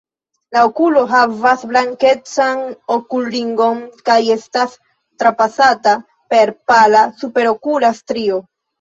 La okulo havas blankecan okulringon kaj estas trapasata per pala superokula strio.